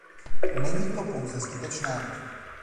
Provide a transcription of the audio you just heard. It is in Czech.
Není to pouze zbytečné.